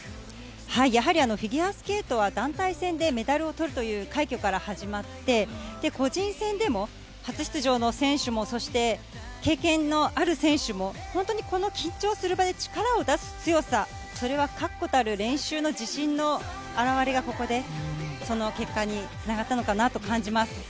やはりフィギュアスケートは団体戦でメダルをとるという快挙から始まって、個人戦でも初出場の選手も経験のある選手も本当に、この緊張する場で力を出す強さそれは確固たる練習の自信の表れがここでその結果につながったのかなと感じます。